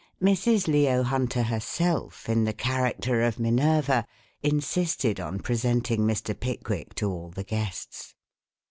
Mrs. Leo Hunter herself, in the character of Minerva, insisted on presenting Mr. Pickwick to all the guests.